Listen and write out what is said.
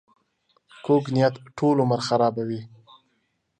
کوږ نیت ټول عمر خرابوي